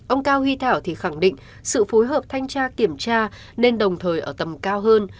ông cao huy thảo thì khẳng định sự phối hợp thanh tra kiểm tra nên đồng thời ở tầm cao hơn